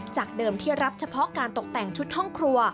จากเดิมที่รับเฉพาะการตกแต่งชุดห้องครัว